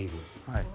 はい。